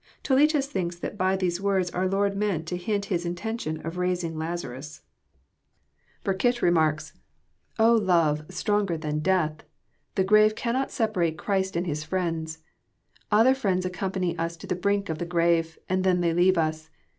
*' Toletus thinks that by these words our Lord meant to hint His intention of raising Lazarus. JOHN, CHAP. XI. 253 Borkitt remarks :'' love, stronger than death I Thn grave cannot separate Christ and his friends. Other friends ac company us to the brink of the grave, and then they leave us.